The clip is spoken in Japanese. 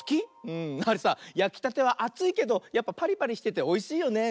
あれさやきたてはあついけどやっぱパリパリしてておいしいよね。